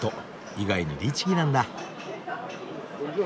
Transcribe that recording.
意外に律儀なんだ。